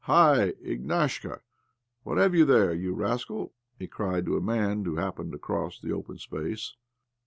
" Hi, Ignashka, what have you there, you rascal?" he cried to a man who happened to cross the open space.